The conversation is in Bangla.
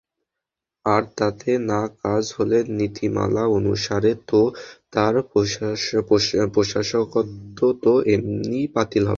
আর তাতে না কাজ হলে নীতিমালা অনুসারে তো তার প্রশাসকত্ব তো এমনিই বাতিল হবে।